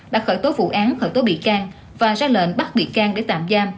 đã khởi tố vụ án khởi tố bị can và ra lệnh bắt bị can để tạm giam